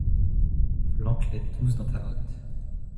Flanque-les tous dans ta hotte